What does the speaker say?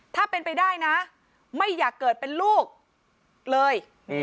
ถ้าเป็นไปได้นะไม่อยากเกิดเป็นลูกเลย